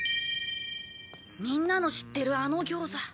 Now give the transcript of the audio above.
みんなの知ってるあの餃子。